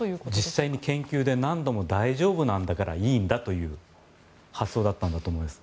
実際に研究で何度も大丈夫なんだからいいんだという発想だったんだと思います。